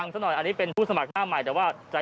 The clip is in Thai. ฉันคิดว่าเวทีนี้เป็นเวทีสำหรับคนที่เสียสละนะคะ